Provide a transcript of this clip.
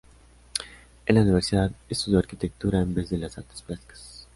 En la universidad estudió arquitectura en vez de las artes plásticas.